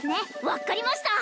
分っかりました